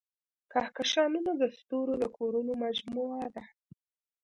کهکشانونه د ستورو د کورونو مجموعه ده.